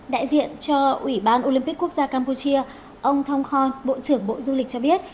đại diện cho ủy ban olympic quốc gia campuchia ông thong khon bộ trưởng bộ du lịch cho biết